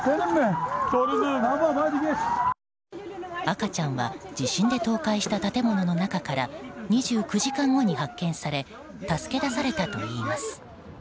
赤ちゃんは地震で倒壊した建物の中から２９時間後に発見され助け出されたといいます。